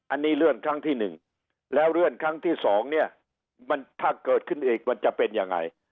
อันนี้เลื่อนครั้งที่หนึ่งแล้วเลื่อนครั้งที่สองเนี่ยมันถ้าเกิดขึ้นอีกมันจะเป็นยังไง